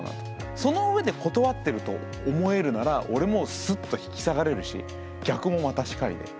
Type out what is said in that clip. そのうえで断ってると思えるなら俺もスッと引き下がれるし逆もまたしかりで。